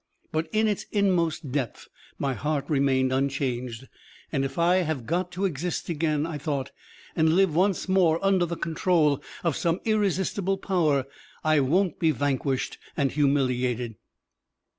But in its inmost depth my heart remained unchanged. "And if I have got to exist again," I thought, "and live once more under the control of some irresistible power, I won't be vanquished and humiliated."